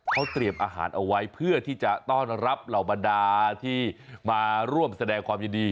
เขาเตรียมอาหารเอาไว้เพื่อที่จะต้อนรับเหล่าบรรดาที่มาร่วมแสดงความยินดี